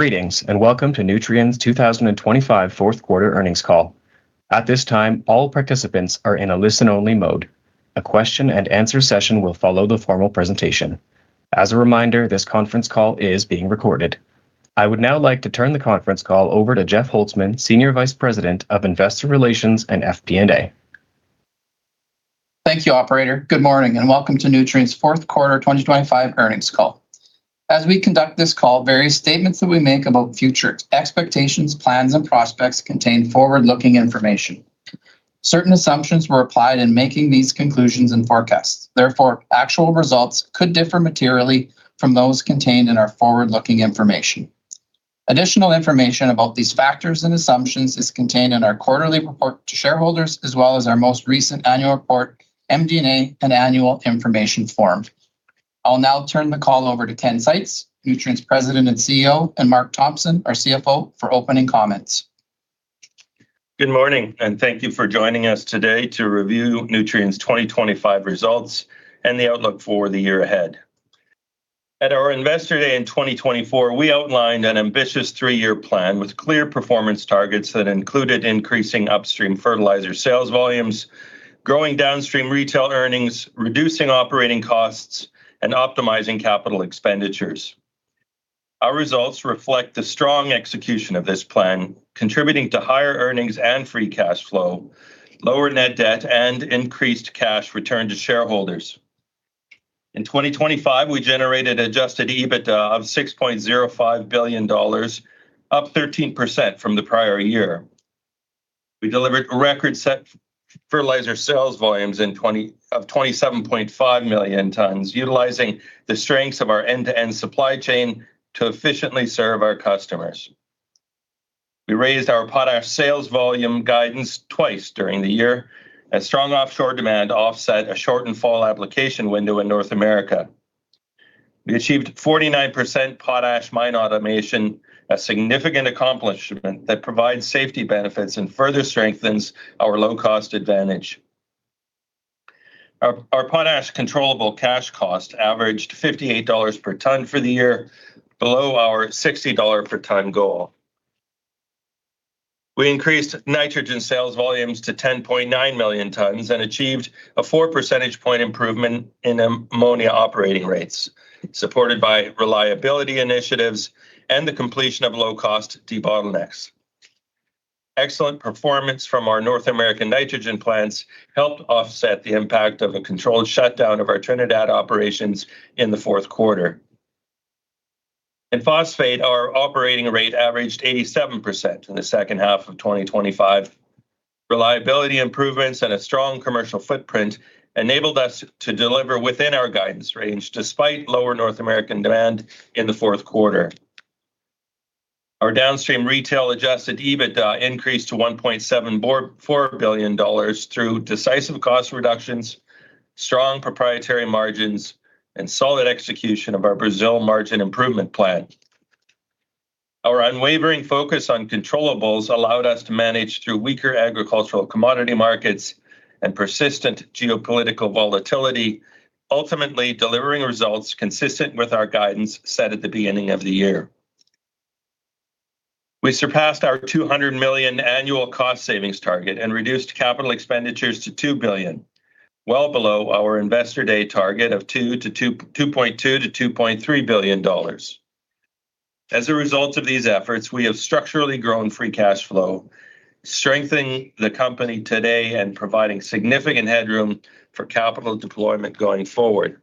Greetings, and Welcome to Nutrien's 2025 Q4 Earnings Call. At this time, all participants are in a listen-only mode. A question and answer session will follow the formal presentation. As a reminder, this conference call is being recorded. I would now like to turn the conference call over to Jeff Holzman, Senior Vice President of Investor Relations and FP&A. Thank you, operator. Good morning, and Welcome to Nutrien's Q4 2025 Earnings Call. As we conduct this call, various statements that we make about future expectations, plans, and prospects contain forward-looking information. Certain assumptions were applied in making these conclusions and forecasts. Therefore, actual results could differ materially from those contained in our forward-looking information. Additional information about these factors and assumptions is contained in our quarterly report to shareholders, as well as our most recent annual report, MD&A, and annual information form. I'll now turn the call over to Ken Seitz, Nutrien's President and CEO, and Mark Thompson, our CFO, for opening comments. Good morning, and thank you for joining us today to review Nutrien's 2025 results and the outlook for the year ahead. At our Investor Day in 2024, we outlined an ambitious three-year plan with clear performance targets that included increasing upstream fertilizer sales volumes, growing downstream retail earnings, reducing operating costs, and optimizing capital expenditures. Our results reflect the strong execution of this plan, contributing to higher earnings and free cash flow, lower net debt, and increased cash return to shareholders. In 2025, we generated Adjusted EBITDA of $6.05 billion, up 13% from the prior year. We delivered a record set of fertilizer sales volumes in 2025 of 27.5 million tons, utilizing the strengths of our end-to-end supply chain to efficiently serve our customers. We raised our potash sales volume guidance twice during the year, as strong offshore demand offset a shortened fall application window in North America. We achieved 49% potash mine automation, a significant accomplishment that provides safety benefits and further strengthens our low-cost advantage. Our potash controllable cash cost averaged $58 per ton for the year, below our $60 per ton goal. We increased nitrogen sales volumes to 10.9 million tons and achieved a four percentage point improvement in ammonia operating rates, supported by reliability initiatives and the completion of low-cost debottlenecks. Excellent performance from our North American nitrogen plants helped offset the impact of a controlled shutdown of our Trinidad operations in the Q4. In phosphate, our operating rate averaged 87% in the second half of 2025. Reliability improvements and a strong commercial footprint enabled us to deliver within our guidance range, despite lower North American demand in the Q4. Our downstream retail adjusted EBITDA increased to $1.74 billion through decisive cost reductions, strong proprietary margins, and solid execution of our Brazil Margin Improvement Plan. Our unwavering focus on controllables allowed us to manage through weaker agricultural commodity markets and persistent geopolitical volatility, ultimately delivering results consistent with our guidance set at the beginning of the year. We surpassed our $200 million annual cost savings target and reduced capital expenditures to $2 billion, well below our Investor Day target of $2.2-$2.3 billion. As a result of these efforts, we have structurally grown free cash flow, strengthening the company today and providing significant headroom for capital deployment going forward.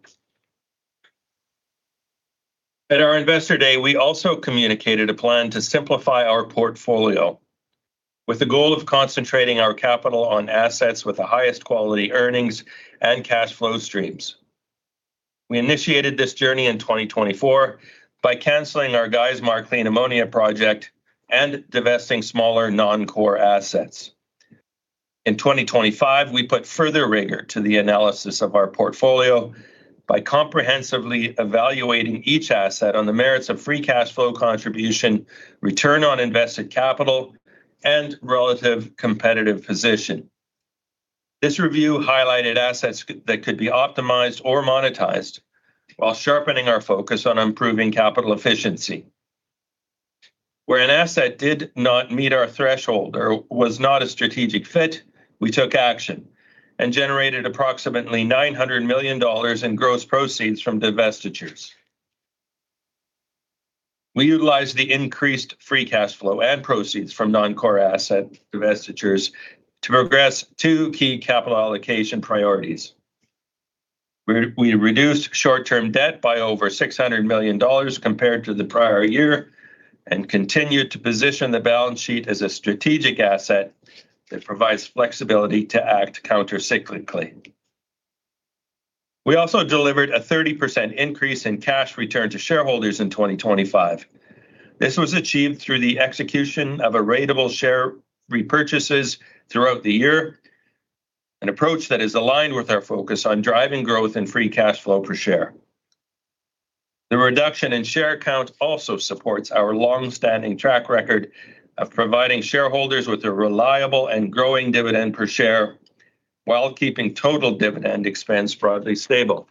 At our Investor Day, we also communicated a plan to simplify our portfolio, with the goal of concentrating our capital on assets with the highest quality earnings and cash flow streams. We initiated this journey in 2024 by canceling our Geismar clean ammonia project and divesting smaller, non-core assets. In 2025, we put further rigor to the analysis of our portfolio by comprehensively evaluating each asset on the merits of free cash flow contribution, return on invested capital, and relative competitive position. This review highlighted assets that could be optimized or monetized while sharpening our focus on improving capital efficiency. Where an asset did not meet our threshold or was not a strategic fit, we took action and generated approximately $900 million in gross proceeds from divestitures. We utilized the increased free cash flow and proceeds from non-core asset divestitures to progress two key capital allocation priorities. We reduced short-term debt by over $600 million compared to the prior year and continued to position the balance sheet as a strategic asset that provides flexibility to act countercyclically. We also delivered a 30% increase in cash return to shareholders in 2025. This was achieved through the execution of a ratable share repurchases throughout the year, an approach that is aligned with our focus on driving growth and free cash flow per share. The reduction in share count also supports our long-standing track record of providing shareholders with a reliable and growing dividend per share, while keeping total dividend expense broadly stable....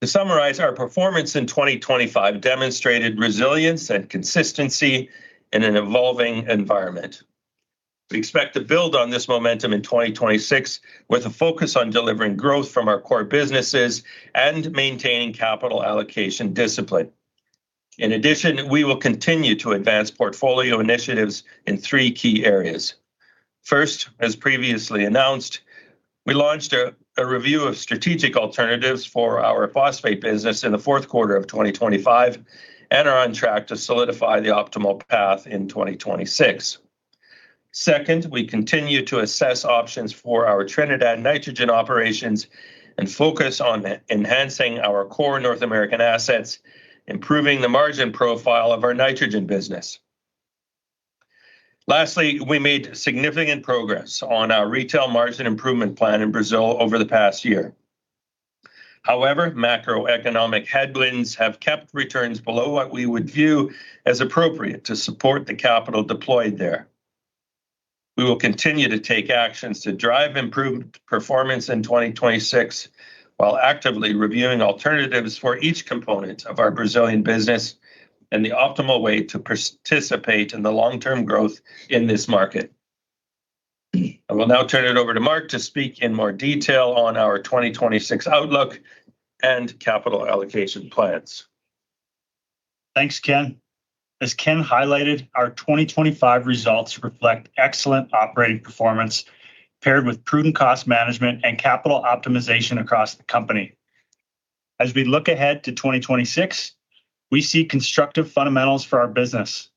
To summarize, our performance in 2025 demonstrated resilience and consistency in an evolving environment. We expect to build on this momentum in 2026, with a focus on delivering growth from our core businesses and maintaining capital allocation discipline. In addition, we will continue to advance portfolio initiatives in three key areas. First, as previously announced, we launched a review of strategic alternatives for our phosphate business in the Q4 of 2025 and are on track to solidify the optimal path in 2026. Second, we continue to assess options for our Trinidad nitrogen operations and focus on enhancing our core North American assets, improving the margin profile of our nitrogen business. Lastly, we made significant progress on our retail margin improvement plan in Brazil over the past year. However, macroeconomic headwinds have kept returns below what we would view as appropriate to support the capital deployed there. We will continue to take actions to drive improved performance in 2026, while actively reviewing alternatives for each component of our Brazilian business and the optimal way to participate in the long-term growth in this market. I will now turn it over to Mark to speak in more detail on our 2026 outlook and capital allocation plans. Thanks, Ken. As Ken highlighted, our 2025 results reflect excellent operating performance, paired with prudent cost management and capital optimization across the company. As we look ahead to 2026, we see constructive fundamentals for our business.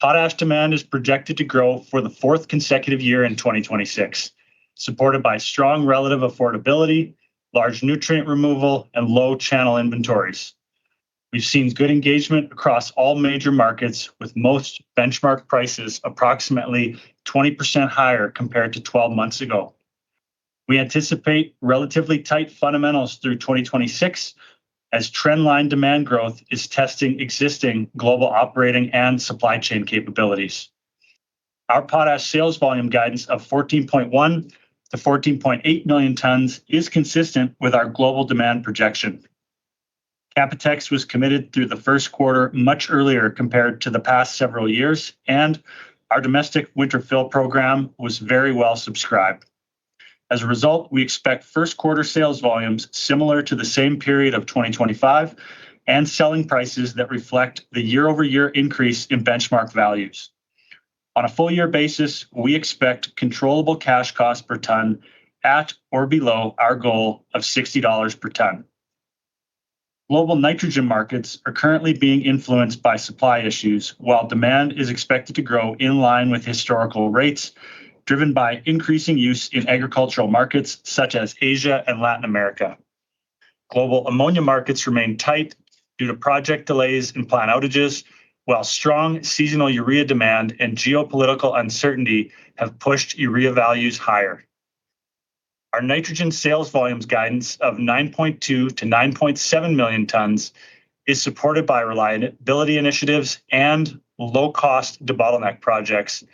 Potash demand is projected to grow for the fourth consecutive year in 2026, supported by strong relative affordability, large nutrient removal, and low channel inventories. We've seen good engagement across all major markets, with most benchmark prices approximately 20% higher compared to 12 months ago. We anticipate relatively tight fundamentals through 2026, as trend line demand growth is testing existing global operating and supply chain capabilities. Our potash sales volume guidance of 14.1-14.8 million tons is consistent with our global demand projection. CapEx was committed through the Q1, much earlier compared to the past several years, and our domestic Winter Fill program was very well subscribed. As a result, we expect Q1 sales volumes similar to the same period of 2025, and selling prices that reflect the year-over-year increase in benchmark values. On a full year basis, we expect controllable cash costs per ton at or below our goal of $60 per ton. Global nitrogen markets are currently being influenced by supply issues, while demand is expected to grow in line with historical rates, driven by increasing use in agricultural markets such as Asia and Latin America. Global ammonia markets remain tight due to project delays and plant outages, while strong seasonal urea demand and geopolitical uncertainty have pushed urea values higher. Our nitrogen sales volumes guidance of 9.2-9.7 million tons is supported by reliability initiatives and low-cost debottleneck projects,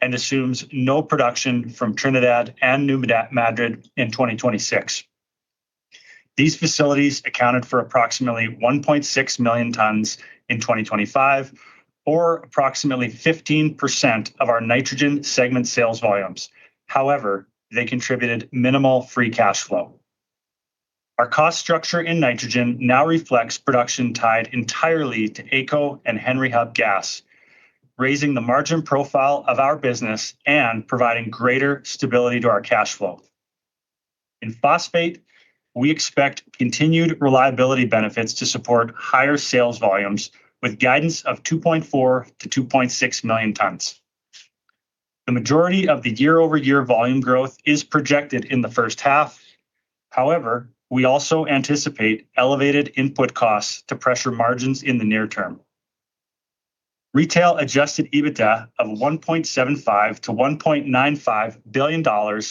and assumes no production from Trinidad and New Madrid in 2026. These facilities accounted for approximately 1.6 million tons in 2025, or approximately 15% of our nitrogen segment sales volumes. However, they contributed minimal free cash flow. Our cost structure in nitrogen now reflects production tied entirely to AECO and Henry Hub gas, raising the margin profile of our business and providing greater stability to our cash flow. In phosphate, we expect continued reliability benefits to support higher sales volumes with guidance of 2.4-2.6 million tons. The majority of the year-over-year volume growth is projected in the first half. However, we also anticipate elevated input costs to pressure margins in the near term. Retail Adjusted EBITDA of $1.75 billion-$1.95 billion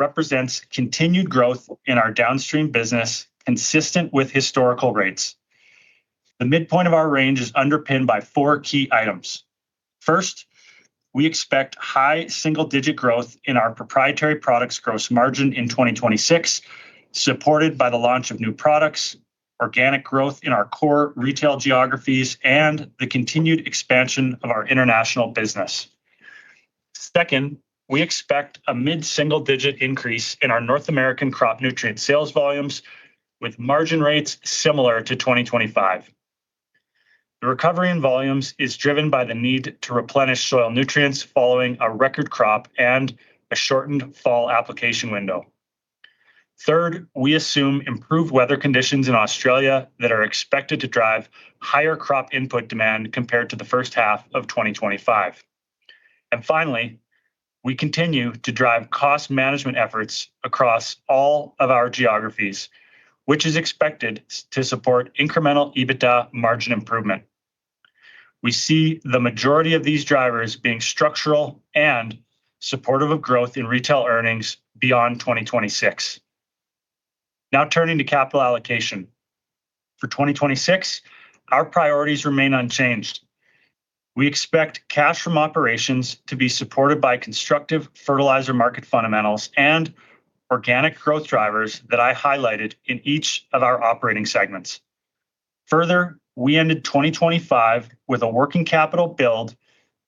represents continued growth in our downstream business, consistent with historical rates. The midpoint of our range is underpinned by four key items. First, we expect high single-digit growth in our proprietary products gross margin in 2026, supported by the launch of new products, organic growth in our core retail geographies, and the continued expansion of our international business. Second, we expect a mid-single-digit increase in our North American crop nutrient sales volumes with margin rates similar to 2025. The recovery in volumes is driven by the need to replenish soil nutrients following a record crop and a shortened fall application window. Third, we assume improved weather conditions in Australia that are expected to drive higher crop input demand compared to the first half of 2025. And finally, we continue to drive cost management efforts across all of our geographies, which is expected to support incremental EBITDA margin improvement. We see the majority of these drivers being structural and supportive of growth in retail earnings beyond 2026. Now, turning to capital allocation. For 2026, our priorities remain unchanged. We expect cash from operations to be supported by constructive fertilizer market fundamentals and organic growth drivers that I highlighted in each of our operating segments. Further, we ended 2025 with a working capital build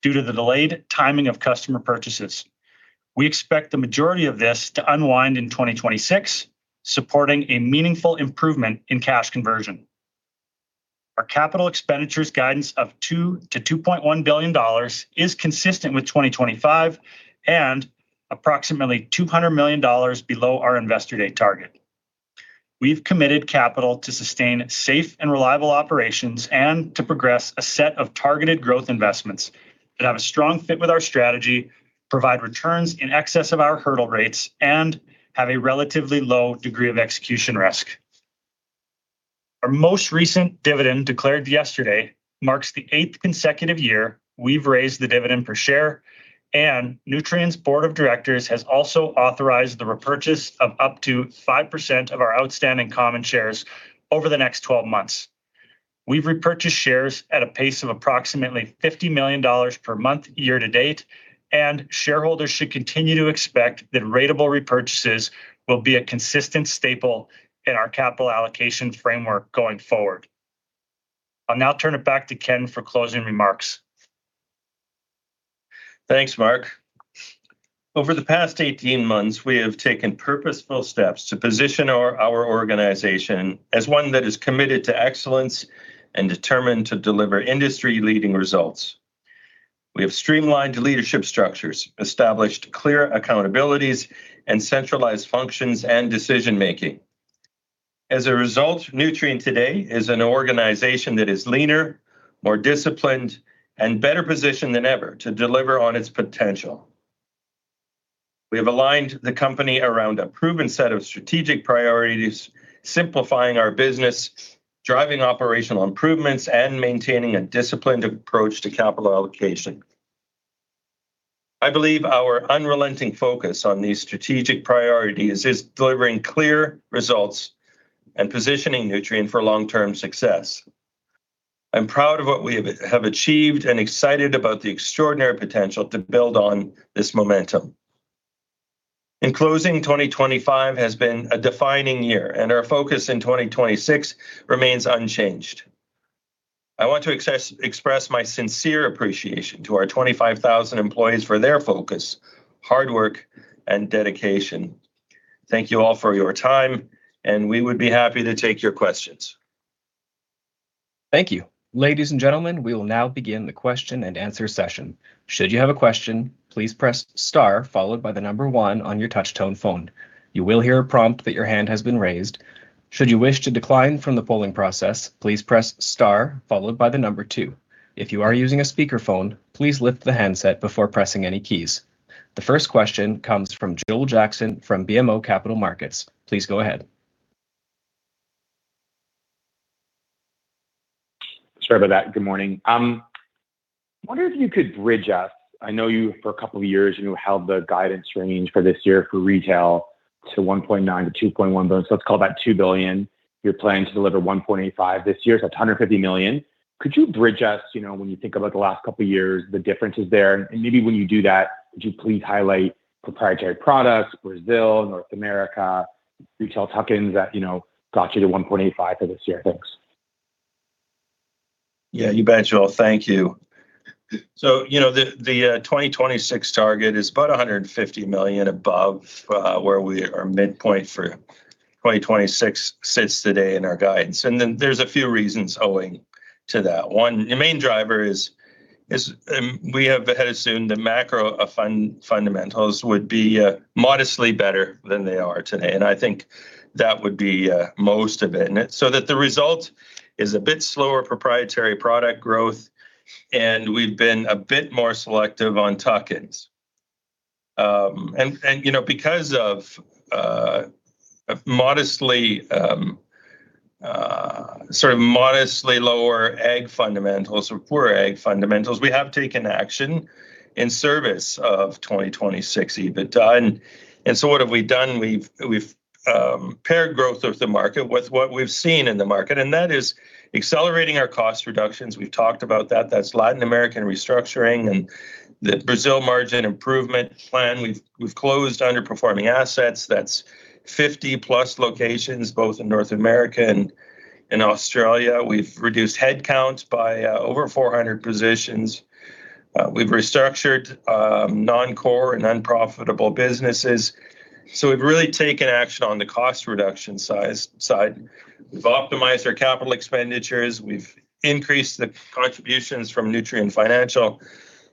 due to the delayed timing of customer purchases. We expect the majority of this to unwind in 2026, supporting a meaningful improvement in cash conversion. Our capital expenditures guidance of $2-$2.1 billion is consistent with 2025 and approximately $200 million below our Investor Day target. We've committed capital to sustain safe and reliable operations and to progress a set of targeted growth investments that have a strong fit with our strategy, provide returns in excess of our hurdle rates, and have a relatively low degree of execution risk. Our most recent dividend, declared yesterday, marks the eighth consecutive year we've raised the dividend per share, and Nutrien's Board of Directors has also authorized the repurchase of up to 5% of our outstanding common shares over the next 12 months. We've repurchased shares at a pace of approximately $50 million per month year to date, and shareholders should continue to expect that ratable repurchases will be a consistent staple in our capital allocation framework going forward. I'll now turn it back to Ken for closing remarks. Thanks, Mark. Over the past 18 months, we have taken purposeful steps to position our organization as one that is committed to excellence and determined to deliver industry-leading results. We have streamlined leadership structures, established clear accountabilities, and centralized functions and decision-making. As a result, Nutrien today is an organization that is leaner, more disciplined, and better positioned than ever to deliver on its potential. We have aligned the company around a proven set of strategic priorities, simplifying our business, driving operational improvements, and maintaining a disciplined approach to capital allocation. I believe our unrelenting focus on these strategic priorities is delivering clear results and positioning Nutrien for long-term success. I'm proud of what we have achieved and excited about the extraordinary potential to build on this momentum. In closing, 2025 has been a defining year, and our focus in 2026 remains unchanged. I want to express my sincere appreciation to our 25,000 employees for their focus, hard work, and dedication. Thank you all for your time, and we would be happy to take your questions. Thank you. Ladies and gentlemen, we will now begin the question-and-answer session. Should you have a question, please press star followed by the number one on your touchtone phone. You will hear a prompt that your hand has been raised. Should you wish to decline from the polling process, please press star followed by the number two. If you are using a speakerphone, please lift the handset before pressing any keys. The first question comes from Joel Jackson, from BMO Capital Markets. Please go ahead. Sorry about that. Good morning. I wonder if you could bridge us. I know you, for a couple of years, you held the guidance range for this year for retail to $1.9 billion-$2.1 billion. So let's call that $2 billion. You're planning to deliver $1.85 billion this year, so that's $150 million. Could you bridge us, you know, when you think about the last couple of years, the differences there, and maybe when you do that, would you please highlight proprietary products, Brazil, North America, retail tuck-ins that, you know, got you to $1.85 billion for this year? Thanks. Yeah, you bet, Joel. Thank you. So, you know, the 2026 target is about $150 million above where we - our midpoint for 2026 sits today in our guidance. And then there's a few reasons owing to that. One, the main driver is we have assumed the macro fundamentals would be modestly better than they are today, and I think that would be most of it. And so the result is a bit slower proprietary product growth, and we've been a bit more selective on tuck-ins. And, you know, because of modestly lower ag fundamentals or poor ag fundamentals, we have taken action in service of 2026 EBITDA. And so what have we done? We've paired growth of the market with what we've seen in the market, and that is accelerating our cost reductions. We've talked about that. That's Latin American restructuring and the Brazil margin improvement plan. We've closed underperforming assets. That's 50+ locations, both in North America and in Australia. We've reduced headcounts by over 400 positions. We've restructured non-core and unprofitable businesses, so we've really taken action on the cost reduction side. We've optimized our capital expenditures, we've increased the contributions from Nutrien Financial,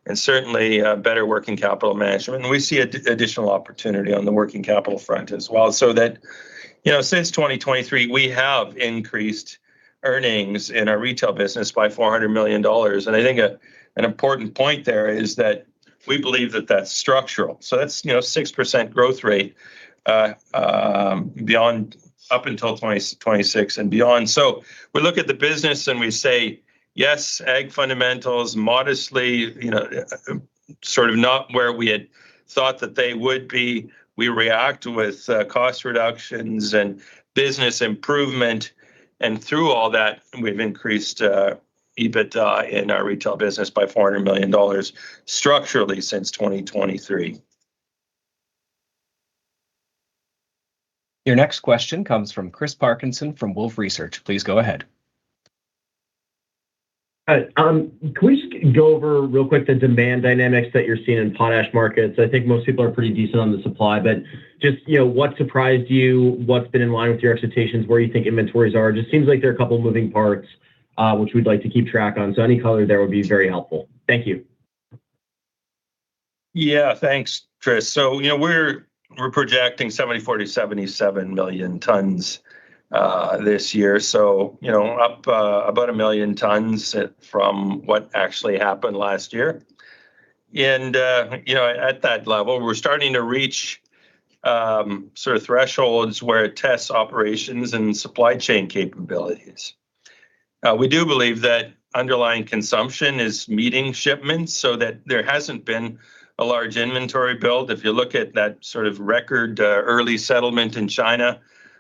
and certainly better working capital management. And we see additional opportunity on the working capital front as well. So that, you know, since 2023, we have increased earnings in our retail business by $400 million, and I think an important point there is that we believe that that's structural. So that's, you know, 6% growth rate, beyond up until 2026 and beyond. So we look at the business, and we say, "Yes, ag fundamentals, modestly, you know..." sort of not where we had thought that they would be, we react with, cost reductions and business improvement, and through all that, we've increased, EBITDA in our retail business by $400 million structurally since 2023. Your next question comes from Chris Parkinson from Wolfe Research. Please go ahead. Hi. Can we just go over real quick the demand dynamics that you're seeing in potash markets? I think most people are pretty decent on the supply, but just, you know, what surprised you? What's been in line with your expectations? Where do you think inventories are? Just seems like there are a couple moving parts, which we'd like to keep track on. So any color there would be very helpful. Thank you. Yeah, thanks, Chris. So, you know, we're projecting 74-77 million tons this year. So, you know, up about 1 million tons from what actually happened last. And, you know, at that level, we're starting to reach sort of thresholds where it tests operations and supply chain capabilities. We do believe that underlying consumption is meeting shipments, so that there hasn't been a large inventory build. If you look at that sort of record early settlement in China,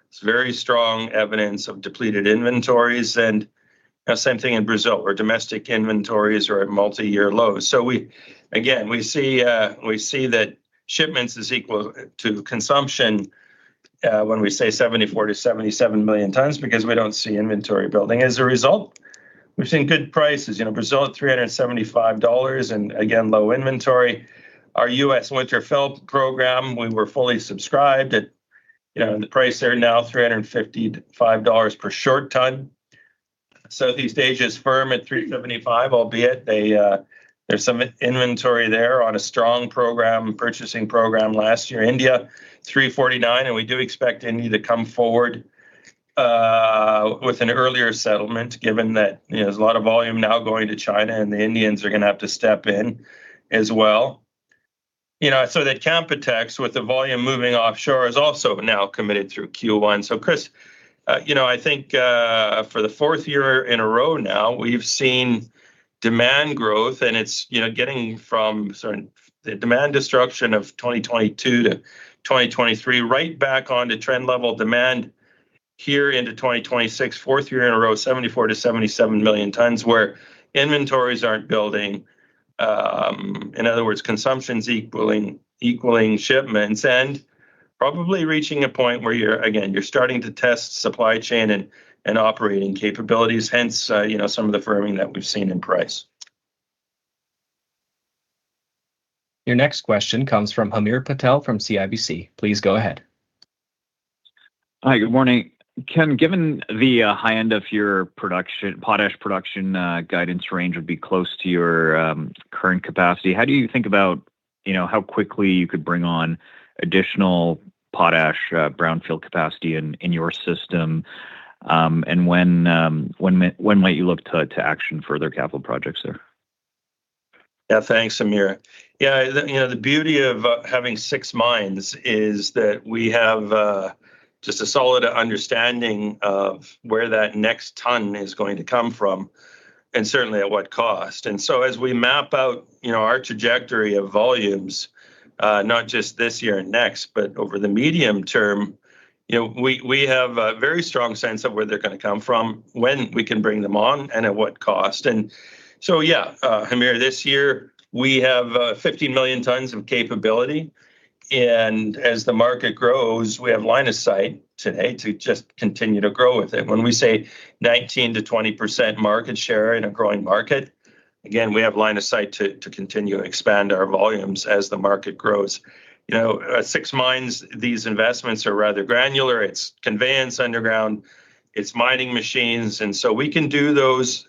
it's very strong evidence of depleted inventories, and the same thing in Brazil, where domestic inventories are at multi-year lows. So again, we see that shipments is equal to consumption when we say 74-77 million tons, because we don't see inventory building. As a result, we've seen good prices. You know, Brazil, $375, and again, low inventory. Our U.S. Winter Fill Program, we were fully subscribed. You know, the price there now, $355 per short ton. Southeast Asia is firm at $375, albeit they, there's some inventory there on a strong purchasing program last year. India, $349, and we do expect India to come forward with an earlier settlement, given that, you know, there's a lot of volume now going to China, and the Indians are gonna have to step in as well. You know, so that Canpotex, with the volume moving offshore, is also now committed through Q1. So, Chris, you know, I think, for the fourth year in a row now, we've seen demand growth, and it's, you know, getting from certain... the demand destruction of 2022-2023, right back on to trend level demand here into 2026. Fourth year in a row, 74-77 million tons, where inventories aren't building. In other words, consumption's equaling, equaling shipments and probably reaching a point where you're, again, you're starting to test supply chain and, and operating capabilities, hence, you know, some of the firming that we've seen in price. Your next question comes from Hamir Patel from CIBC. Please go ahead. Hi, good morning. Ken, given the high end of your potash production guidance range would be close to your current capacity, how do you think about, you know, how quickly you could bring on additional potash brownfield capacity in your system, and when might you look to action further capital projects there? Yeah, thanks, Hamir. Yeah, the, you know, the beauty of having six mines is that we have just a solid understanding of where that next ton is going to come from, and certainly at what cost. And so as we map out, you know, our trajectory of volumes, not just this year and next, but over the medium term, you know, we, we have a very strong sense of where they're gonna come from, when we can bring them on, and at what cost. And so, yeah,r, this year, we have 15 million tons of capability, and as the market grows, we have line of sight today to just continue to grow with it. When we say 19%-20% market share in a growing market, again, we have line of sight to, to continue to expand our volumes as the market grows. You know, six mines, these investments are rather granular. It's conveyance underground, it's mining machines, and so we can do those,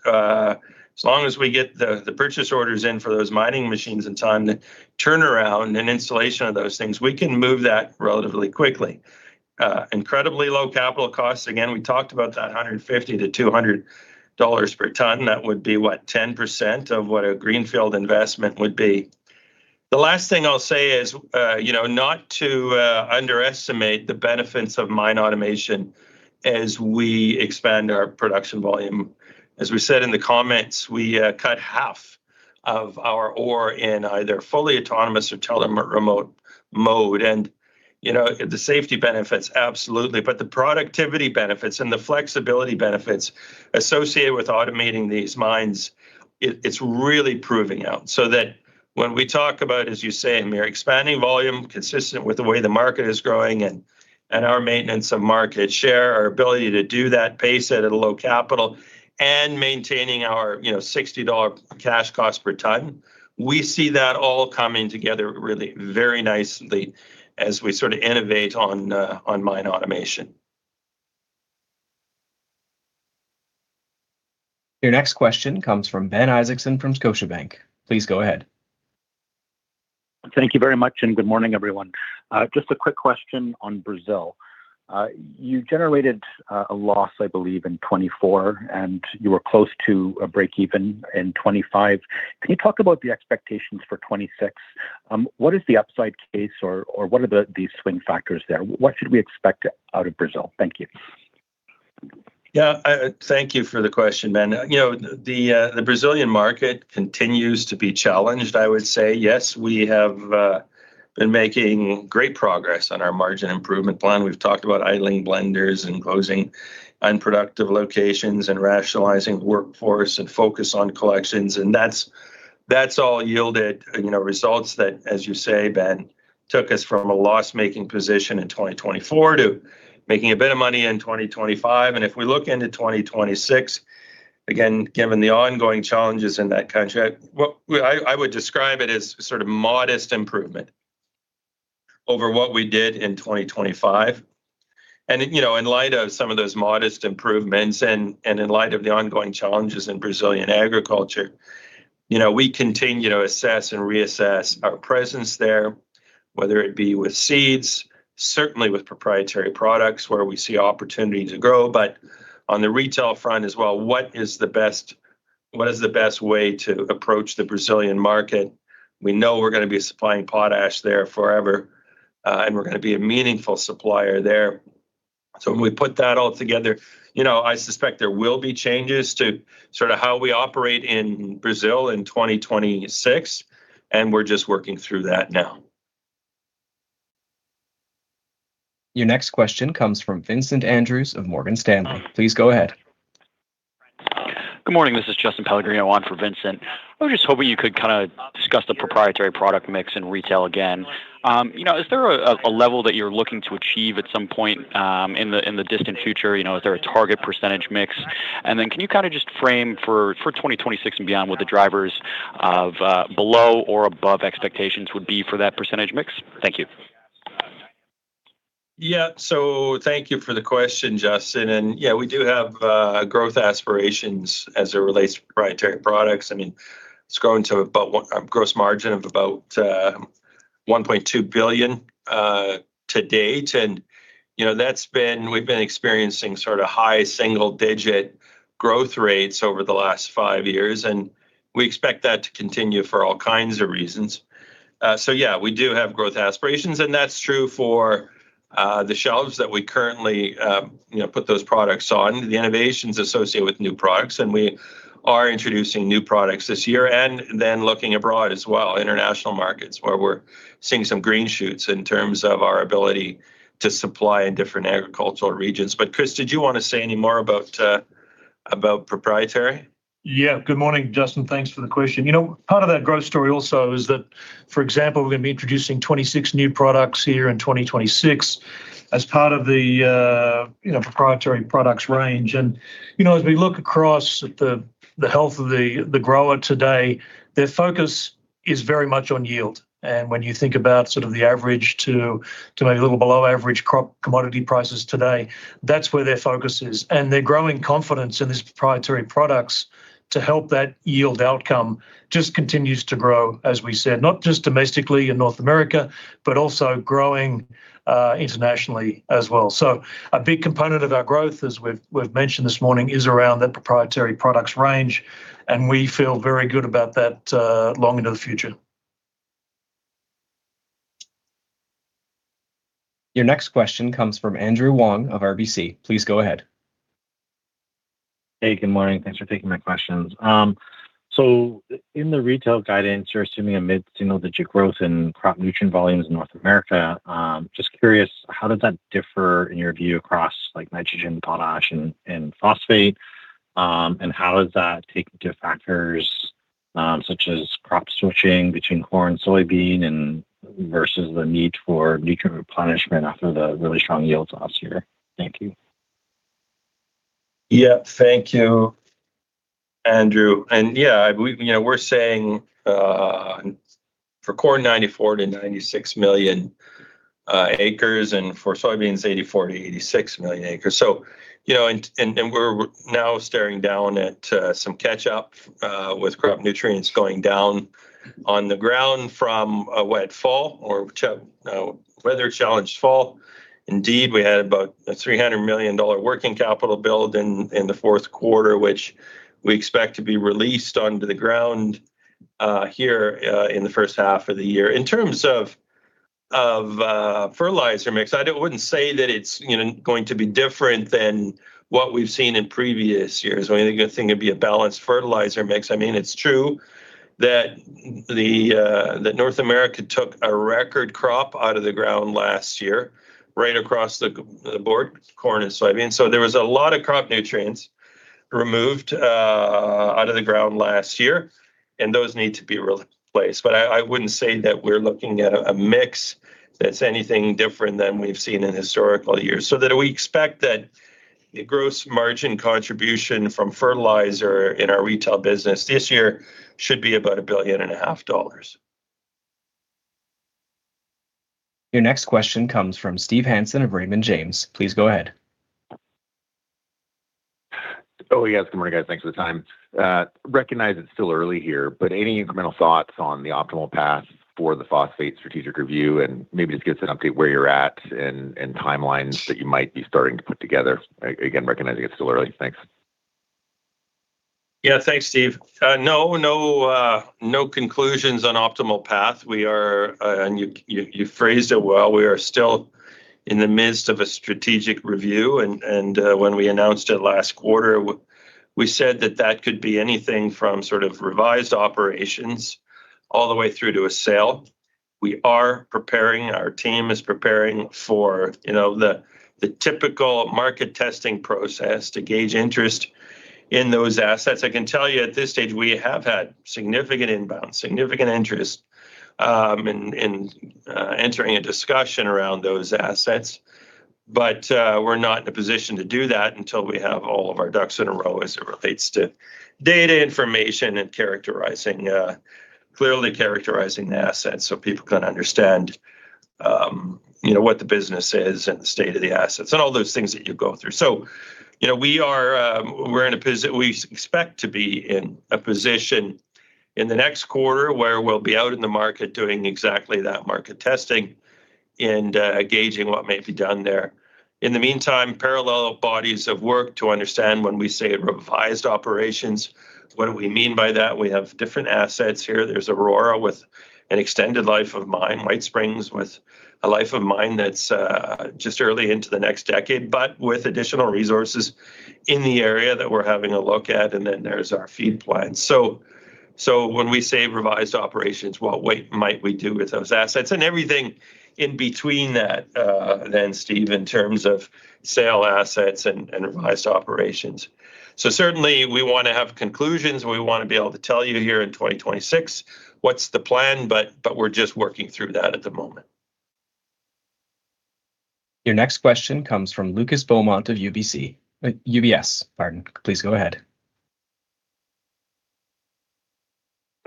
as long as we get the, the purchase orders in for those mining machines in time, the turnaround and installation of those things, we can move that relatively quickly. Incredibly low capital costs. Again, we talked about that $150-$200 per ton. That would be, what? 10% of what a greenfield investment would be. The last thing I'll say is, you know, not to, underestimate the benefits of mine automation as we expand our production volume. As we said in the comments, we cut half of our ore in either fully autonomous or tele-remote mode, and, you know, the safety benefits, absolutely, but the productivity benefits and the flexibility benefits associated with automating these mines, it, it's really proving out. So that when we talk about, as you say, Hamir, expanding volume consistent with the way the market is growing and, and our maintenance of market share, our ability to do that, pace it at a low capital and maintaining our, you know, $60 cash cost per ton, we see that all coming together really very nicely as we sort of innovate on, on mine automation. Your next question comes from Ben Isaacson from Scotiabank. Please go ahead. Thank you very much, and good morning, everyone. Just a quick question on Brazil. You generated a loss, I believe, in 2024, and you were close to a break-even in 2025. Can you talk about the expectations for 2026? What is the upside case or, or what are the, the swing factors there? What should we expect out of Brazil? Thank you.... Yeah, thank you for the question, Ben. You know, the Brazilian market continues to be challenged, I would say. Yes, we have been making great progress on our margin improvement plan. We've talked about idling blenders and closing unproductive locations and rationalizing workforce and focus on collections, and that's all yielded, you know, results that, as you say, Ben, took us from a loss-making position in 2024 to making a bit of money in 2025. And if we look into 2026, again, given the ongoing challenges in that country, well, I would describe it as sort of modest improvement over what we did in 2025. You know, in light of some of those modest improvements and in light of the ongoing challenges in Brazilian agriculture, you know, we continue to assess and reassess our presence there, whether it be with seeds, certainly with proprietary products, where we see opportunity to grow, but on the retail front as well, what is the best way to approach the Brazilian market? We know we're gonna be supplying potash there forever, and we're gonna be a meaningful supplier there. So when we put that all together, you know, I suspect there will be changes to sort of how we operate in Brazil in 2026, and we're just working through that now. Your next question comes from Vincent Andrews of Morgan Stanley. Please go ahead. Good morning, this is Justin Pellegrino on for Vincent. I was just hoping you could kind of discuss the proprietary product mix in retail again. You know, is there a level that you're looking to achieve at some point, in the distant future? You know, is there a target percentage mix? And then can you kind of just frame for 2026 and beyond what the drivers of below or above expectations would be for that percentage mix? Thank you. Yeah, thank you for the question, Justin. Yeah, we do have growth aspirations as it relates to proprietary products. I mean, it's grown to about $1.2 billion gross margin to date, and, you know, that's been... We've been experiencing sort of high single-digit growth rates over the last five years, and we expect that to continue for all kinds of reasons. Yeah, we do have growth aspirations, and that's true for the shelves that we currently, you know, put those products on, the innovations associated with new products, and we are introducing new products this year. Looking abroad as well, international markets, where we're seeing some green shoots in terms of our ability to supply in different agricultural regions. Chris, did you want to say any more about, you know, about proprietary? Yeah. Good morning, Justin. Thanks for the question. You know, part of that growth story also is that, for example, we're gonna be introducing 26 new products here in 2026 as part of the, you know, proprietary products range. And, you know, as we look across at the health of the grower today, their focus is very much on yield. And when you think about sort of the average to maybe a little below average crop commodity prices today, that's where their focus is. And their growing confidence in this proprietary products to help that yield outcome just continues to grow, as we said, not just domestically in North America, but also growing internationally as well. A big component of our growth, as we've, we've mentioned this morning, is around that proprietary products range, and we feel very good about that, long into the future. Your next question comes from Andrew Wong of RBC. Please go ahead. Hey, good morning. Thanks for taking my questions. In the retail guidance, you're assuming a mid-single-digit growth in crop nutrient volumes in North America. Just curious, how does that differ in your view across, like, nitrogen, potash, and phosphate? And how does that take into factors, such as crop switching between corn, soybean, and versus the need for nutrient replenishment after the really strong yield tops here? Thank you. Yeah. Thank you, Andrew. And yeah, I believe. You know, we're saying for corn, 94-96 million acres, and for soybeans, 84-86 million acres. So, you know, and we're now staring down at some catch-up with crop nutrients going down on the ground from a wet fall or weather-challenged fall. Indeed, we had about a $300 million working capital build in the Q4, which we expect to be released onto the ground here in the first half of the year. In terms of fertilizer mix, I wouldn't say that it's, you know, going to be different than what we've seen in previous years. I mean, I think it'd be a balanced fertilizer mix. I mean, it's true that North America took a record crop out of the ground last year, right across the board, corn and soybean. So there was a lot of crop nutrients removed out of the ground last year, and those need to be replaced. But I wouldn't say that we're looking at a mix that's anything different than we've seen in historical years. So we expect that the gross margin contribution from fertilizer in our retail business this year should be about $1.5 billion. Your next question comes from Steve Hansen of Raymond James. Please go ahead. Oh, yes. Good morning, guys. Thanks for the time. Recognize it's still early here, but any incremental thoughts on the optimal path for the phosphate strategic review? And maybe just give us an update where you're at and timelines that you might be starting to put together. Again, recognizing it's still early. Thanks.... Yeah, thanks, Steve. No, no, no conclusions on optimal path. We are, and you phrased it well. We are still in the midst of a strategic review, and, when we announced it last quarter, we said that that could be anything from sort of revised operations all the way through to a sale. We are preparing, our team is preparing for, you know, the typical market testing process to gauge interest in those assets. I can tell you at this stage, we have had significant inbound, significant interest, in entering a discussion around those assets. But we're not in a position to do that until we have all of our ducks in a row as it relates to data information and characterizing clearly characterizing the assets so people can understand, you know, what the business is and the state of the assets and all those things that you go through. So, you know, we expect to be in a position in the next quarter where we'll be out in the market doing exactly that market testing and gauging what may be done there. In the meantime, parallel bodies of work to understand when we say revised operations, what do we mean by that? We have different assets here. There's Aurora with an extended life of mine, White Springs, with a life of mine that's just early into the next decade, but with additional resources in the area that we're having a look at, and then there's our feed plants. So when we say revised operations, what might we do with those assets? And everything in between that, then, Steve, in terms of sale assets and revised operations. So certainly we wanna have conclusions. We wanna be able to tell you here in 2026 what's the plan, but we're just working through that at the moment. Your next question comes from Lucas Beaumont of UBS. Pardon. Please go ahead.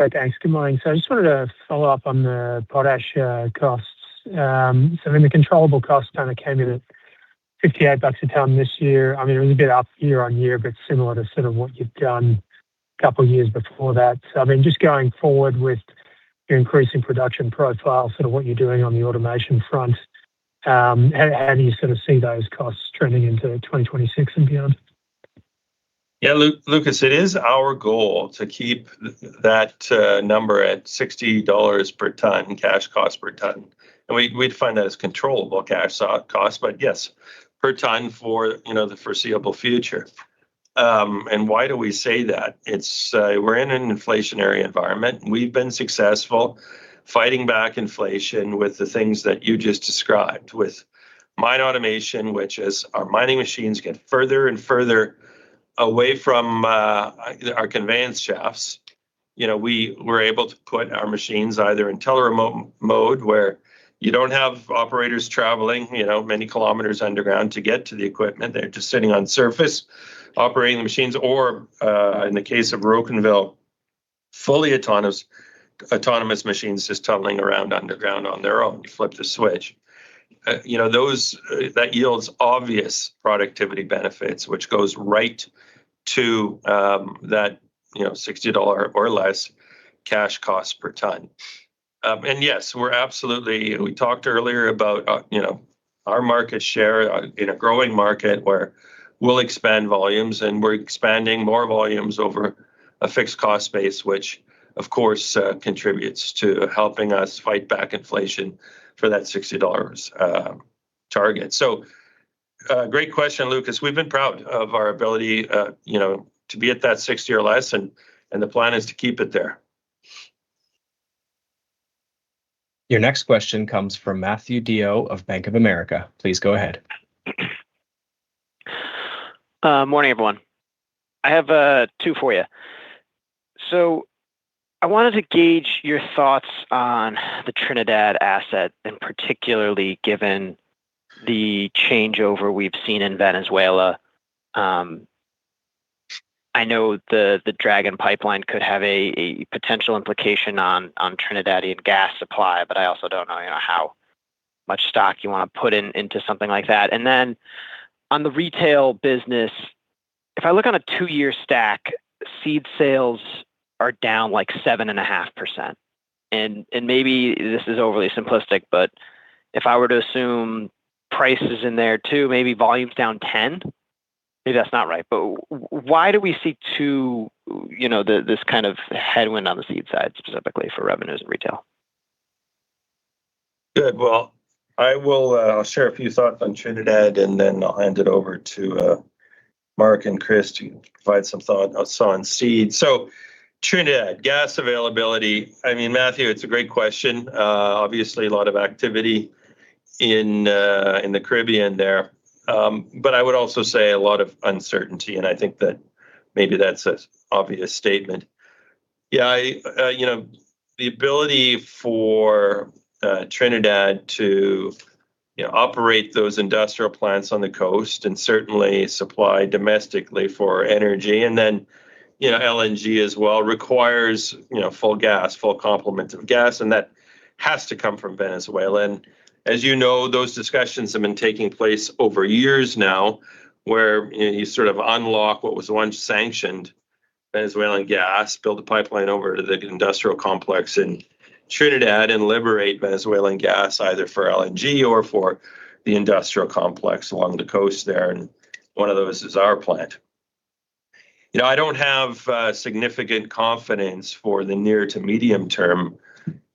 Okay, thanks. Good morning. So I just wanted to follow up on the potash costs. So in the controllable costs, kinda came in at $58 a ton this year. I mean, a little bit up year-over-year, but similar to sort of what you've done a couple of years before that. So, I mean, just going forward with your increasing production profile, sort of what you're doing on the automation front, how do you sort of see those costs trending into 2026 and beyond? Yeah, Lucas, it is our goal to keep that number at $60 per ton, cash cost per ton. And we, we'd define that as controllable cash cost, but yes, per ton for, you know, the foreseeable future. And why do we say that? It's, we're in an inflationary environment. We've been successful fighting back inflation with the things that you just described, with mine automation, which is our mining machines get further and further away from our conveyance shafts. You know, we were able to put our machines either in tele-remote mode, where you don't have operators traveling, you know, many kilometers underground to get to the equipment. They're just sitting on surface, operating the machines, or, in the case of Rocanville, fully autonomous, autonomous machines just tunneling around underground on their own. You flip the switch. You know, those that yields obvious productivity benefits, which goes right to that, you know, $60 or less cash cost per ton. And yes, we're absolutely, we talked earlier about, you know, our market share in a growing market where we'll expand volumes, and we're expanding more volumes over a fixed cost base, which of course contributes to helping us fight back inflation for that $60 target. So, great question, Lucas. We've been proud of our ability, you know, to be at that $60 or less, and the plan is to keep it there. Your next question comes from Matthew De Yoe of Bank of America. Please go ahead. Morning, everyone. I have two for you. So I wanted to gauge your thoughts on the Trinidad asset, and particularly given the changeover we've seen in Venezuela. I know the Dragon pipeline could have a potential implication on Trinidadian gas supply, but I also don't know, you know, how much stock you wanna put into something like that. And then on the retail business, if I look on a two-year stack, seed sales are down, like, 7.5%. And maybe this is overly simplistic, but if I were to assume prices in there, too, maybe volume's down 10%? Maybe that's not right. But why do we see two, you know, this kind of headwind on the seed side, specifically for revenues and retail? Good. Well, I will share a few thoughts on Trinidad, and then I'll hand it over to Mark and Chris to provide some thought on seed. So Trinidad, gas availability, I mean, Matthew, it's a great question. Obviously, a lot of activity in the Caribbean there. But I would also say a lot of uncertainty, and I think that maybe that's an obvious statement. Yeah, I, you know, the ability for Trinidad to, you know, operate those industrial plants on the coast and certainly supply domestically for energy, and then, you know, LNG as well, requires, you know, full gas, full complement of gas, and that has to come from Venezuela. As you know, those discussions have been taking place over years now, where you sort of unlock what was once sanctioned Venezuelan gas, build a pipeline over to the industrial complex in Trinidad, and liberate Venezuelan gas, either for LNG or for the industrial complex along the coast there, and one of those is our plant. You know, I don't have significant confidence for the near to medium term,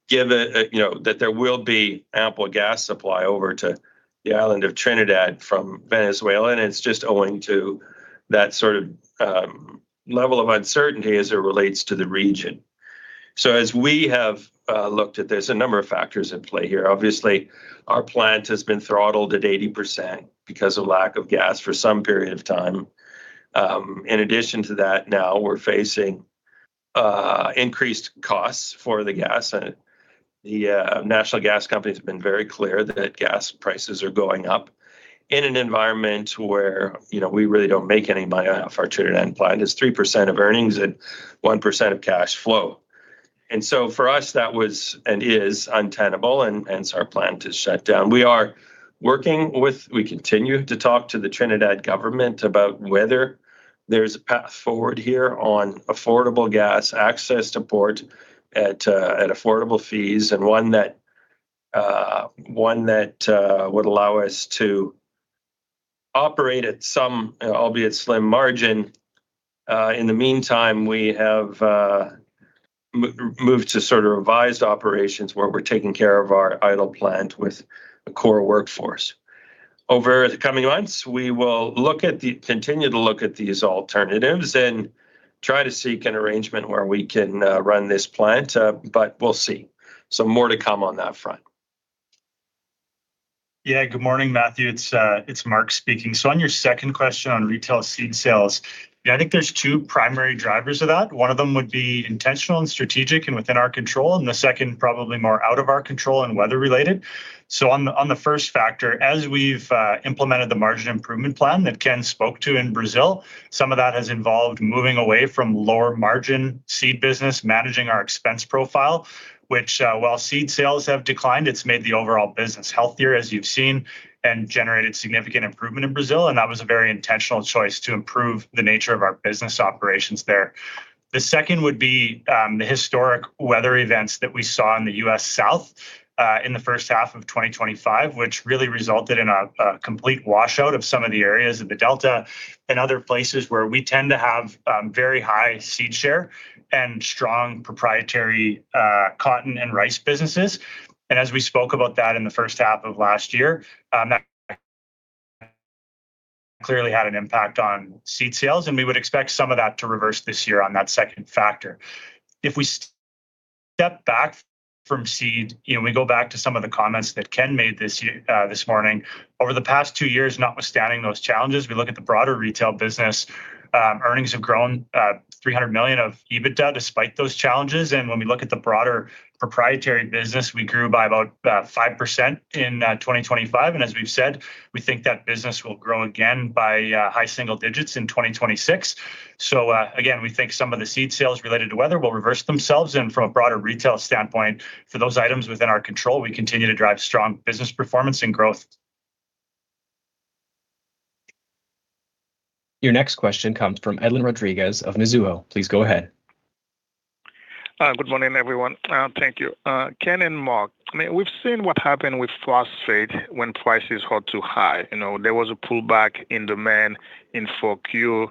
given you know, that there will be ample gas supply over to the island of Trinidad from Venezuela, and it's just owing to that sort of level of uncertainty as it relates to the region. As we have looked at this, a number of factors at play here. Obviously, our plant has been throttled at 80% because of lack of gas for some period of time. In addition to that, now we're facing increased costs for the gas, and the national gas company has been very clear that gas prices are going up in an environment where, you know, we really don't make any money off our Trinidad plant. It's 3% of earnings and 1% of cash flow. So for us, that was and is untenable, and so our plant is shut down. We are working with... We continue to talk to the Trinidad government about whether there's a path forward here on affordable gas access to port at affordable fees, and one that would allow us to operate at some, albeit slim margin. In the meantime, we have moved to sort of revised operations, where we're taking care of our idle plant with a core workforce. Over the coming months, we will continue to look at these alternatives and try to seek an arrangement where we can run this plant, but we'll see. So more to come on that front. Yeah. Good morning, Matthew. It's Mark speaking. So on your second question on retail seed sales, yeah, I think there's two primary drivers of that. One of them would be intentional and strategic and within our control, and the second, probably more out of our control and weather-related. So on the first factor, as we've implemented the margin improvement plan that Ken spoke to in Brazil, some of that has involved moving away from lower margin seed business, managing our expense profile, which, while seed sales have declined, it's made the overall business healthier, as you've seen, and generated significant improvement in Brazil, and that was a very intentional choice to improve the nature of our business operations there. The second would be the historic weather events that we saw in the U.S. South in the first half of 2025, which really resulted in a complete washout of some of the areas of the Delta and other places where we tend to have very high seed share and strong proprietary cotton and rice businesses. And as we spoke about that in the first half of last year, that clearly had an impact on seed sales, and we would expect some of that to reverse this year on that second factor. If we step back from seed, you know, we go back to some of the comments that Ken made this year this morning. Over the past two years, notwithstanding those challenges, we look at the broader retail business, earnings have grown $300 million of EBITDA despite those challenges, and when we look at the broader proprietary business, we grew by about 5% in 2025. And as we've said, we think that business will grow again by high single digits in 2026. So, again, we think some of the seed sales related to weather will reverse themselves, and from a broader retail standpoint, for those items within our control, we continue to drive strong business performance and growth. Your next question comes from Edlain Rodriguez of Mizuho. Please go ahead. Good morning, everyone. Thank you. Ken and Mark, I mean, we've seen what happened with phosphate when prices got too high. You know, there was a pullback in demand in 4Q.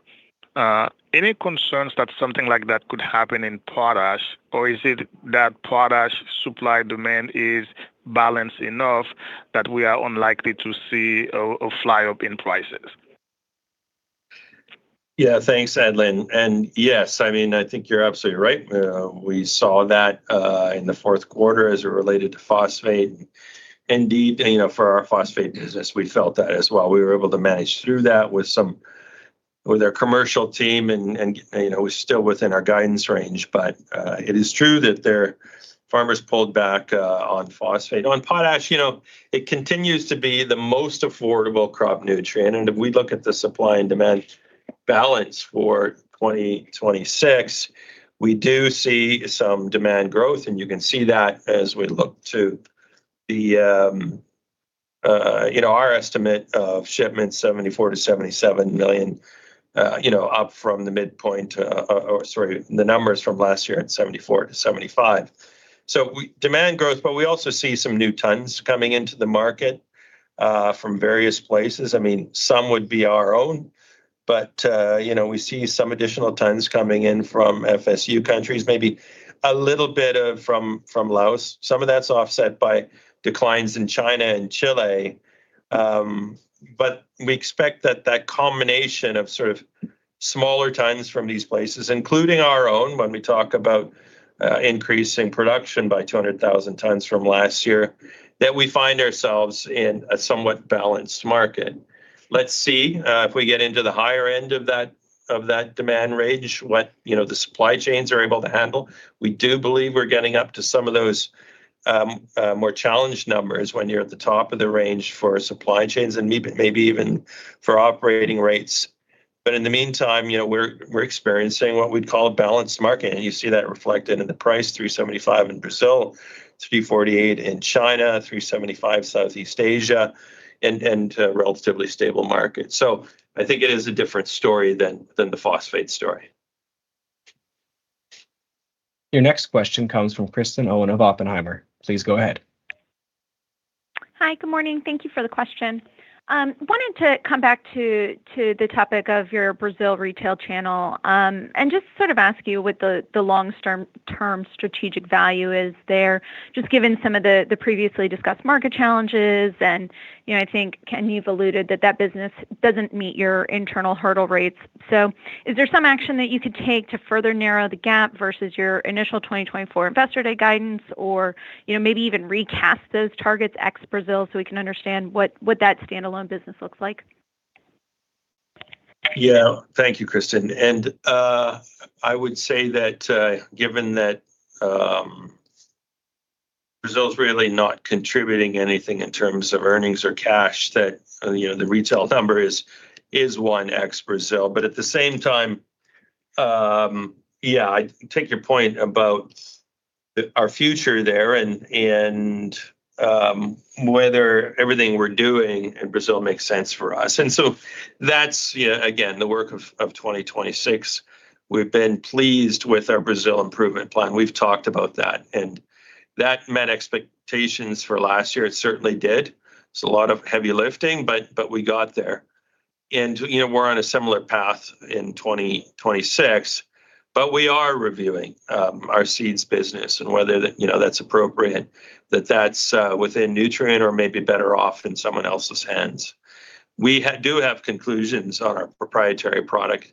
Any concerns that something like that could happen in potash, or is it that potash supply-demand is balanced enough that we are unlikely to see a fly-up in prices? Yeah, thanks, Edlain, and yes, I mean, I think you're absolutely right. We saw that in the Q4 as it related to phosphate. Indeed, you know, for our phosphate business, we felt that as well. We were able to manage through that with some... with our commercial team and, and, you know, still within our guidance range. But it is true that their farmers pulled back on phosphate. On potash, you know, it continues to be the most affordable crop nutrient, and if we look at the supply and demand balance for 2026, we do see some demand growth, and you can see that as we look to the... You know, our estimate of shipments, 74-77 million, you know, up from the midpoint, or sorry, the numbers from last year at 74-75. So we see demand growth, but we also see some new tons coming into the market from various places. I mean, some would be our own, but you know, we see some additional tons coming in from FSU countries, maybe a little bit from Laos. Some of that's offset by declines in China and Chile, but we expect that combination of sort of smaller tons from these places, including our own, when we talk about increasing production by 200,000 tons from last year, that we find ourselves in a somewhat balanced market. Let's see if we get into the higher end of that demand range, what you know, the supply chains are able to handle. We do believe we're getting up to some of those more challenged numbers when you're at the top of the range for supply chains and maybe even for operating rates. But in the meantime, you know, we're experiencing what we'd call a balanced market, and you see that reflected in the price, $375 in Brazil, $348 in China, $375 Southeast Asia, and a relatively stable market. So I think it is a different story than the phosphate story.... Your next question comes from Kristen Owen of Oppenheimer. Please go ahead. Hi, good morning. Thank you for the question. Wanted to come back to the topic of your Brazil retail channel, and just sort of ask you what the long-term strategic value is there, just given some of the previously discussed market challenges. And, you know, I think, Ken, you've alluded that that business doesn't meet your internal hurdle rates. So is there some action that you could take to further narrow the gap versus your initial 2024 investor day guidance, or, you know, maybe even recast those targets ex Brazil, so we can understand what that standalone business looks like? Yeah. Thank you, Kristen. I would say that, given that, Brazil's really not contributing anything in terms of earnings or cash, that, you know, the retail number is, is one ex Brazil, but at the same time, yeah, I take your point about our future there and, and, whether everything we're doing in Brazil makes sense for us. And so that's, yeah, again, the work of 2026. We've been pleased with our Brazil improvement plan. We've talked about that, and that met expectations for last year. It certainly did. It's a lot of heavy lifting, but we got there. And, you know, we're on a similar path in 2026, but we are reviewing, our seeds business and whether that, you know, that's appropriate, that that's, within Nutrien or maybe better off in someone else's hands. We do have conclusions on our proprietary product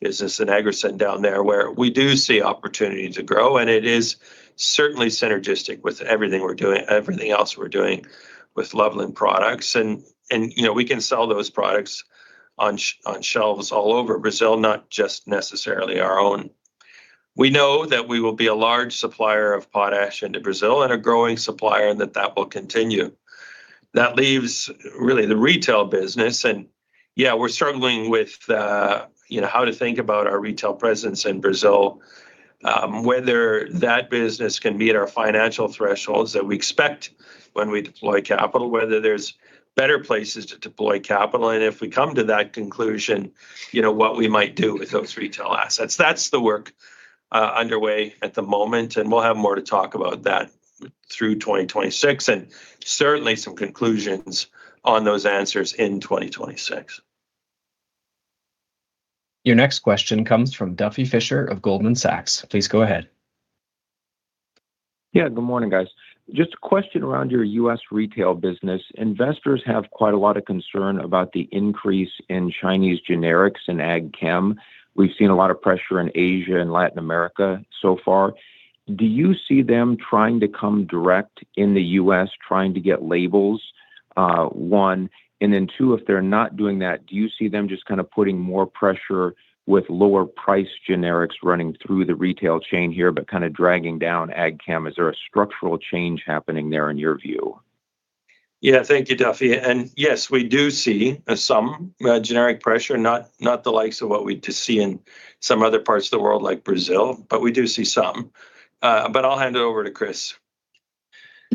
business and Agron down there, where we do see opportunity to grow, and it is certainly synergistic with everything we're doing everything else we're doing with Loveland Products. And, you know, we can sell those products on shelves all over Brazil, not just necessarily our own. We know that we will be a large supplier of potash into Brazil and a growing supplier, and that will continue. That leaves really the retail business, and, yeah, we're struggling with, you know, how to think about our retail presence in Brazil, whether that business can meet our financial thresholds that we expect when we deploy capital, whether there's better places to deploy capital, and if we come to that conclusion, you know, what we might do with those retail assets. That's the work underway at the moment, and we'll have more to talk about that through 2026, and certainly some conclusions on those answers in 2026. Your next question comes from Duffy Fischer of Goldman Sachs. Please go ahead. Yeah, good morning, guys. Just a question around your U.S. retail business. Investors have quite a lot of concern about the increase in Chinese generics and ag chem. We've seen a lot of pressure in Asia and Latin America so far. Do you see them trying to come direct in the U.S., trying to get labels? One, and then two, if they're not doing that, do you see them just kind of putting more pressure with lower-priced generics running through the retail chain here, but kind of dragging down ag chem? Is there a structural change happening there, in your view? Yeah. Thank you, Duffy. And yes, we do see some generic pressure, not the likes of what we see in some other parts of the world, like Brazil, but we do see some. But I'll hand it over to Chris.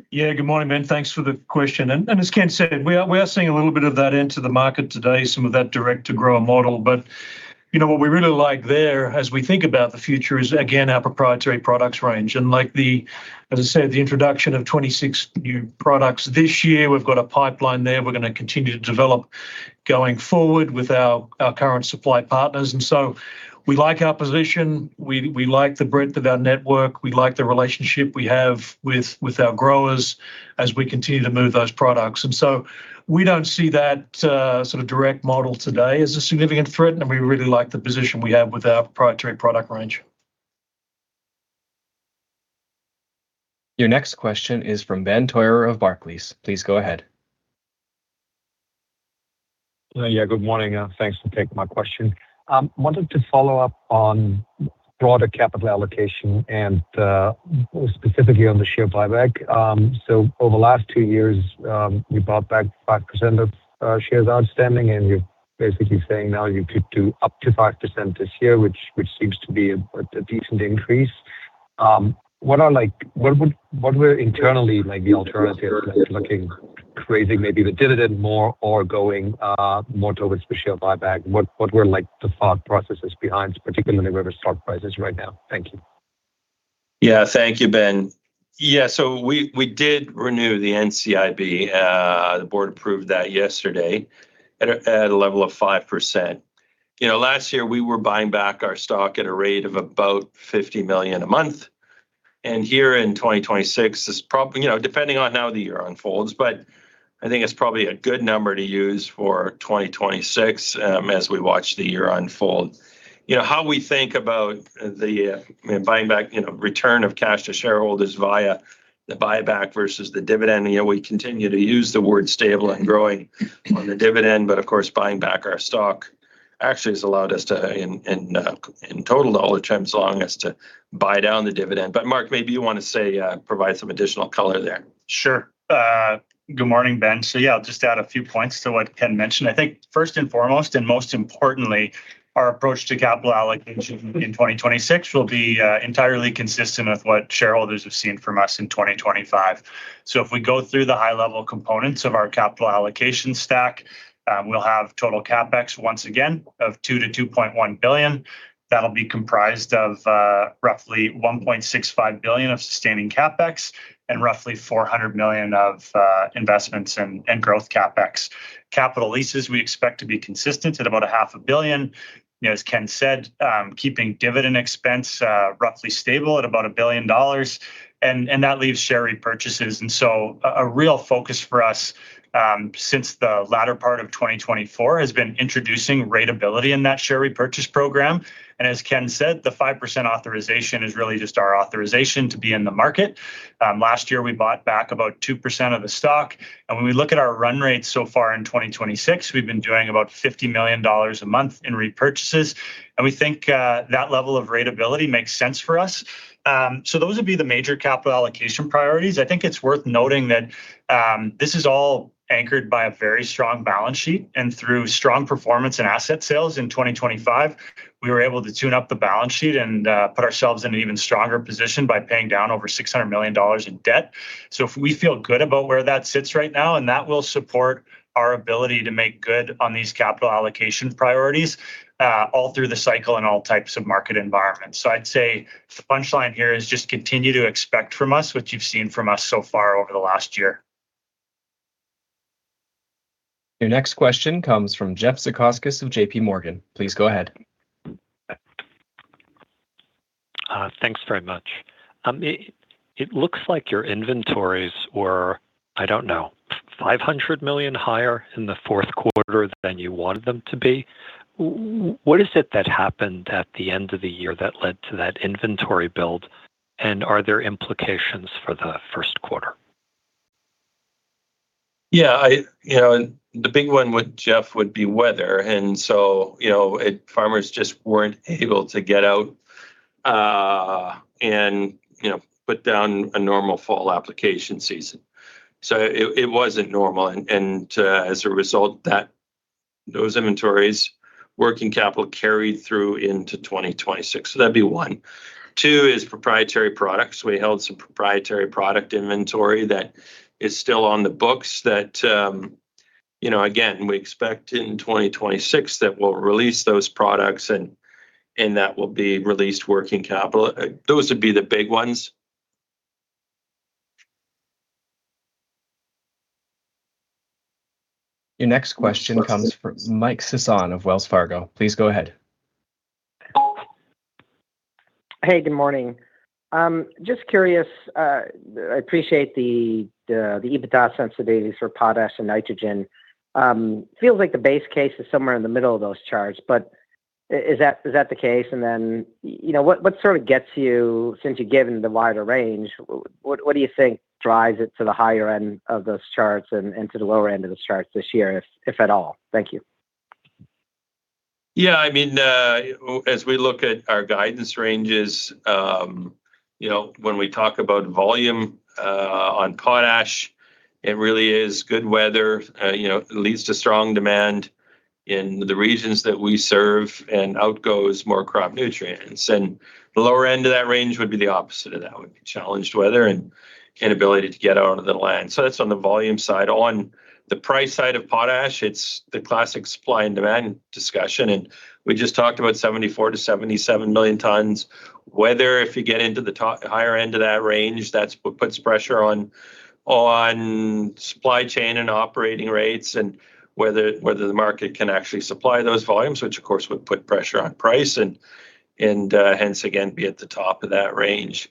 Yeah. Good morning, Ben. Thanks for the question, and as Ken said, we are seeing a little bit of that into the market today, some of that direct-to-grower model. But, you know, what we really like there, as we think about the future, is, again, our proprietary products range. And like the... As I said, the introduction of 26 new products this year, we've got a pipeline there we're gonna continue to develop going forward with our current supply partners. And so we like our position, we like the breadth of our network, we like the relationship we have with our growers as we continue to move those products. And so we don't see that sort of direct model today as a significant threat, and we really like the position we have with our proprietary product range. Your next question is from Ben Theurer of Barclays. Please go ahead. Yeah, good morning. Thanks for taking my question. Wanted to follow up on broader capital allocation and, specifically on the share buyback. So over the last two years, you bought back 5% of shares outstanding, and you're basically saying now you could do up to 5% this year, which, which seems to be a decent increase. What are like- what would- what were internally, like, the alternative to looking, creating maybe the dividend more or going, more towards the share buyback? What, what were, like, the thought processes behind, particularly where the stock price is right now? Thank you. Yeah. Thank you, Ben. Yeah, so we, we did renew the NCIB, the board approved that yesterday at a level of 5%. You know, last year, we were buying back our stock at a rate of about $50 million a month, and here in 2026, it's probably... You know, depending on how the year unfolds, but I think it's probably a good number to use for 2026, as we watch the year unfold. You know, how we think about the buying back, you know, return of cash to shareholders via the buyback versus the dividend, you know, we continue to use the word stable and growing on the dividend, but of course, buying back our stock actually has allowed us to, in total dollar terms, allowing us to buy down the dividend. But Mark, maybe you wanna say, provide some additional color there. Sure. Good morning, Ben. So yeah, I'll just add a few points to what Ken mentioned. I think, first and foremost, and most importantly, our approach to capital allocation in 2026 will be entirely consistent with what shareholders have seen from us in 2025. So if we go through the high-level components of our capital allocation stack, we'll have total CapEx, once again, of $2-$2.1 billion. That'll be comprised of roughly $1.65 billion of sustaining CapEx and roughly $400 million of investments and growth CapEx.... capital leases, we expect to be consistent at about $500 million. You know, as Ken said, keeping dividend expense roughly stable at about $1 billion, and that leaves share repurchases. And so a real focus for us since the latter part of 2024 has been introducing ratability in that share repurchase program. And as Ken said, the 5% authorization is really just our authorization to be in the market. Last year, we bought back about 2% of the stock, and when we look at our run rate so far in 2026, we've been doing about $50 million a month in repurchases, and we think that level of ratability makes sense for us. So those would be the major capital allocation priorities. I think it's worth noting that, this is all anchored by a very strong balance sheet, and through strong performance and asset sales in 2025, we were able to tune up the balance sheet and, put ourselves in an even stronger position by paying down over $600 million in debt. So we feel good about where that sits right now, and that will support our ability to make good on these capital allocation priorities, all through the cycle and all types of market environments. So I'd say the punchline here is just continue to expect from us what you've seen from us so far over the last year. Your next question comes from Jeff Sikorski of JP Morgan. Please go ahead. Thanks very much. It looks like your inventories were, I don't know, $500 million higher in the Q4 than you wanted them to be. What is it that happened at the end of the year that led to that inventory build, and are there implications for the Q1? Yeah, you know, and the big one with Jeff would be weather, and so, you know, farmers just weren't able to get out, and, you know, put down a normal fall application season. So it wasn't normal, and, as a result, those inventories, working capital carried through into 2026, so that'd be one. Two is proprietary products. We held some proprietary product inventory that is still on the books that, you know, again, we expect in 2026 that we'll release those products, and that will be released working capital. Those would be the big ones. Your next question comes from Mike Sison of Wells Fargo. Please go ahead. Hey, good morning. Just curious, I appreciate the EBITDA sensitivities for potash and nitrogen. Feels like the base case is somewhere in the middle of those charts, but is that, is that the case? And then you know, what sort of gets you... Since you're given the wider range, what do you think drives it to the higher end of those charts and to the lower end of the charts this year, if at all? Thank you. Yeah, I mean, as we look at our guidance ranges, you know, when we talk about volume, on potash, it really is good weather, you know, leads to strong demand in the regions that we serve and out goes more crop nutrients. The lower end of that range would be the opposite of that, would be challenged weather and inability to get out on the land. So that's on the volume side. On the price side of potash, it's the classic supply and demand discussion, and we just talked about 74-77 million tons. Whether if you get into the top, higher end of that range, that's what puts pressure on supply chain and operating rates and whether the market can actually supply those volumes, which of course would put pressure on price and hence again be at the top of that range.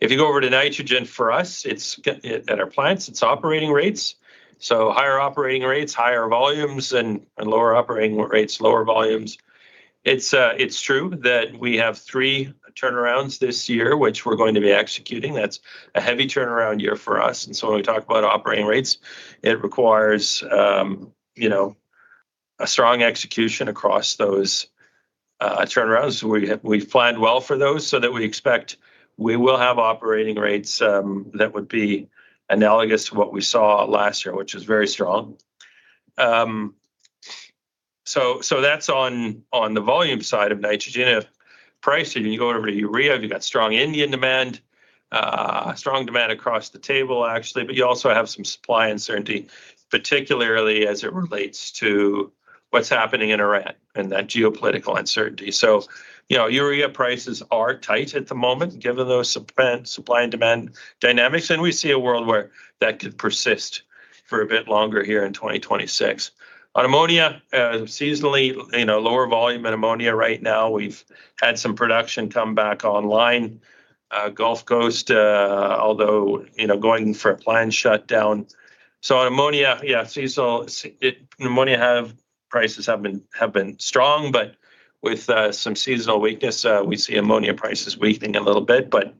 If you go over to nitrogen, for us, it's at our plants, it's operating rates. So higher operating rates, higher volumes, and lower operating rates, lower volumes. It's true that we have three turnarounds this year, which we're going to be executing. That's a heavy turnaround year for us, and so when we talk about operating rates, it requires you know a strong execution across those turnarounds. We planned well for those, so that we expect we will have operating rates that would be analogous to what we saw last year, which is very strong. So that's on the volume side of nitrogen. If pricing, you go over to urea, you've got strong Indian demand, strong demand across the table, actually, but you also have some supply uncertainty, particularly as it relates to what's happening in Iran and that geopolitical uncertainty. So, you know, urea prices are tight at the moment, given those supply and demand dynamics, and we see a world where that could persist for a bit longer here in 2026. Ammonia, seasonally, you know, lower volume ammonia right now. We've had some production come back online. Gulf Coast, although, you know, going for a planned shutdown. So ammonia, yeah, seasonal, ammonia prices have been strong, but with some seasonal weakness, we see ammonia prices weakening a little bit. But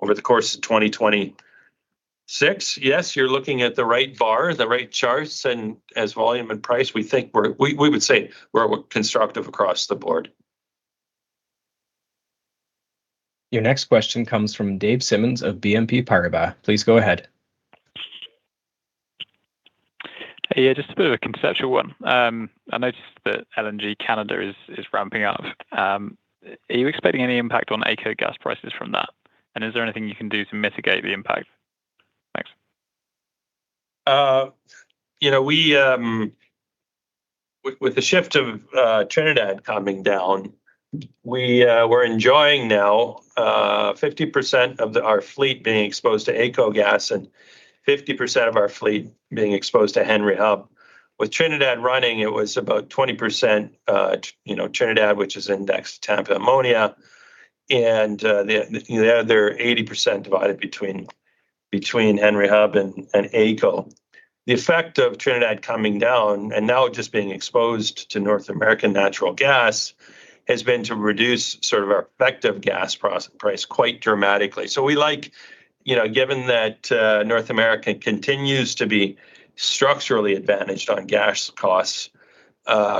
over the course of 2026, yes, you're looking at the right bar, the right charts, and as volume and price, we think we would say we're constructive across the board. Your next question comes from Dave Simmons of BNP Paribas. Please go ahead. Yeah, just a bit of a conceptual one. I noticed that LNG Canada is ramping up. Are you expecting any impact on AECO gas prices from that, and is there anything you can do to mitigate the impact? Thanks. You know, with the shift of Trinidad coming down, we're enjoying now 50% of our fleet being exposed to AECO gas and 50% of our fleet being exposed to Henry Hub. With Trinidad running, it was about 20%, you know, Trinidad, which is indexed to Tampa ammonia, and the other 80% divided between Henry Hub and AECO. The effect of Trinidad coming down and now just being exposed to North American natural gas has been to reduce sort of our effective gas price quite dramatically. So we like, you know, given that North America continues to be structurally advantaged on gas costs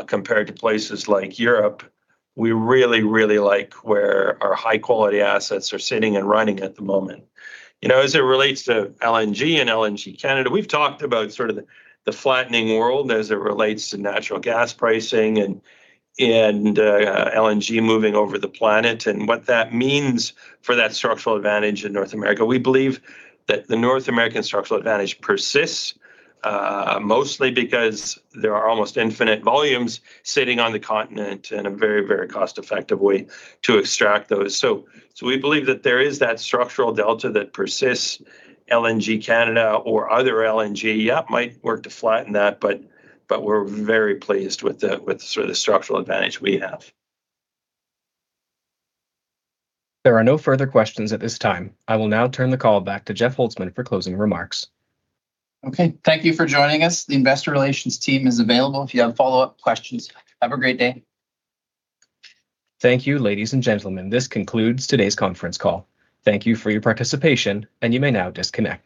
compared to places like Europe, we really, really like where our high-quality assets are sitting and running at the moment. You know, as it relates to LNG and LNG Canada, we've talked about sort of the, the flattening world as it relates to natural gas pricing and, and, LNG moving over the planet, and what that means for that structural advantage in North America. We believe that the North American structural advantage persists, mostly because there are almost infinite volumes sitting on the continent in a very, very cost-effective way to extract those. So, so we believe that there is that structural delta that persists. LNG Canada or other LNG. Yeah, it might work to flatten that, but, but we're very pleased with the, with the sort of structural advantage we have. There are no further questions at this time. I will now turn the call back to Jeff Holzman for closing remarks. Okay. Thank you for joining us. The investor relations team is available if you have follow-up questions. Have a great day. Thank you, ladies and gentlemen. This concludes today's conference call. Thank you for your participation, and you may now disconnect.